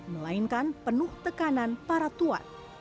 melainkan penuh tekanan para tuan